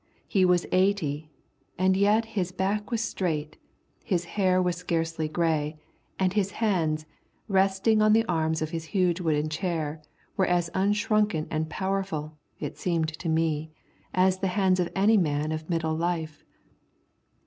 He was eighty, and yet his back was straight, his hair was scarcely grey, and his hands, resting on the arms of his huge wooden chair, were as unshrunken and powerful, it seemed to me, as the hands of any man of middle life.